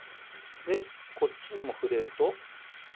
でこっちにも触れると。